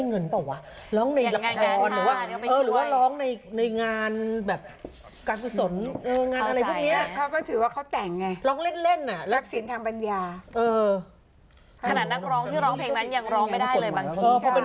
ขนาดนักร้องที่ร้องเพลงนั้นยังร้องไม่ได้เลยบางที